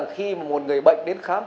khi một người bệnh đến khám